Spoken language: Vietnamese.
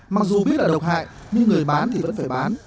mặc dù biết là độc hại nhưng người bán thì vẫn phải bán